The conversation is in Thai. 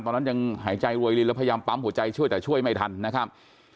ตอนนั้นยังหายใจรวยลินแล้วพยายามปั๊มหัวใจช่วยแต่ช่วยไม่ทันนะครับ